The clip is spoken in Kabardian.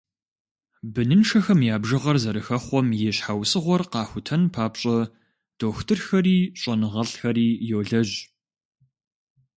Быныншэхэм я бжыгъэр зэрыхэхъуэм и щхьэусыгъуэр къахутэн папщӏэ дохутырхэри щӏэныгъэлӏхэри йолэжь.